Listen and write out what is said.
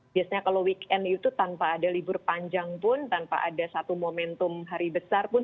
biasanya kalau weekend itu tanpa ada libur panjang pun tanpa ada satu momentum hari besar pun